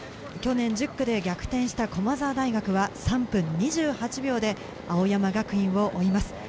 去年１０区で逆転した駒澤大学は３分２８秒で青山学院を追います。